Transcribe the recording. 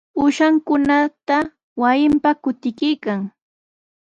Uushankunata wasinpa qatikuykan.